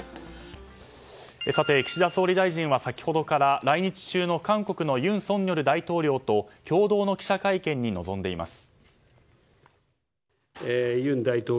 さて、岸田総理大臣は先ほどから来日中の韓国の尹錫悦大統領と共同の記者会見に臨んでいます。